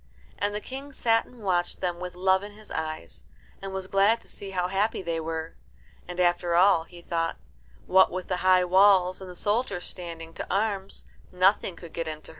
And the King sat and watched them with love in his eyes, and was glad to see how happy they were. And after all, he thought, what with the high walls and the soldiers standing to arms, nothing could get in to hurt them.